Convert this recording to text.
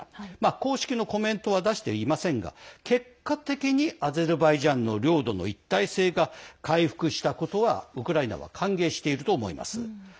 公式のコメントは出していませんが結果的にアゼルバイジャンの領土の一体性が回復したことはウクライナは歓迎していると思います。